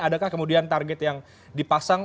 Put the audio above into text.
adakah kemudian target yang dipasang